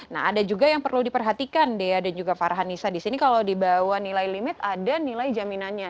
nah ada juga yang perlu diperhatikan dea dan juga farhanisa disini kalau dibawah nilai limit ada nilai jaminannya